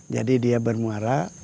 jadi dia bermuara